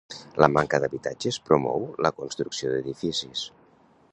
La manca d'habitatges promou la construcció d'edificis.